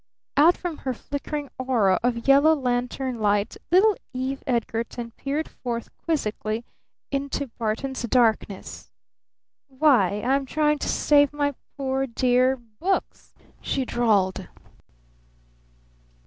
Out from her flickering aura of yellow lantern light little Eve Edgarton peered forth quizzically into Barton's darkness. "Why I'm trying to save my poor dear books," she drawled.